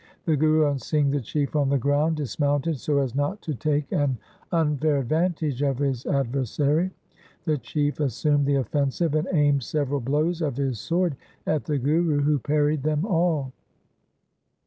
The Guru, on seeing the Chief on the ground, dismounted so as not to take an unfair advantage of his adversary. The Chief assumed the offensive and aimed several blows of his sword at the Guru, who parried them all.